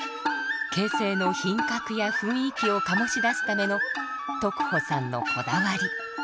傾城の品格や雰囲気を醸し出すための徳穂さんのこだわり。